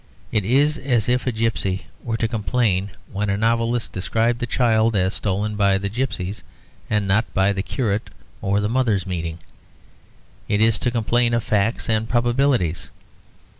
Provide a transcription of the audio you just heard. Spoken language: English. It is as if a gipsy were to complain when a novelist describes a child as stolen by the gipsies, and not by the curate or the mothers' meeting. It is to complain of facts and probabilities.